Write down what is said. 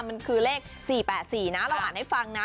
มันคือเลข๔๘๔นะเราอ่านให้ฟังนะ